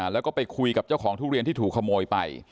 แล้วก็ไปคุยกับเจ้าของทุเรียนที่ถูกขโมยไป